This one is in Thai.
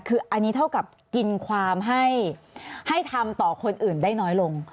คืออันนี้เท่ากับกินความให้ทำต่อคนอื่นได้น้อยลง